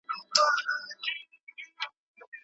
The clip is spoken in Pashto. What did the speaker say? پخوانۍ لارې چارې باید برابرې سي.